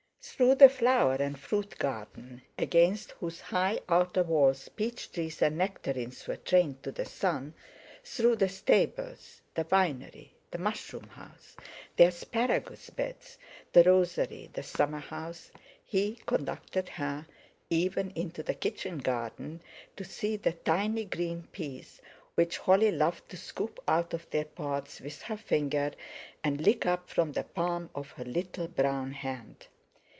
Through the flower and fruit garden, against whose high outer walls peach trees and nectarines were trained to the sun, through the stables, the vinery, the mushroom house, the asparagus beds, the rosery, the summer house, he conducted her—even into the kitchen garden to see the tiny green peas which Holly loved to scoop out of their pods with her finger, and lick up from the palm of her little brown hand.